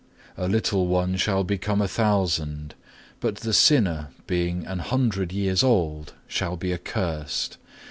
A little one shall become a thousand, but the sinner being an hundred years old shall be accursed.